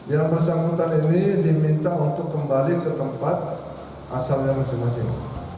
yang bersangkutan ini diminta untuk kembali ke tempat asalnya masing masing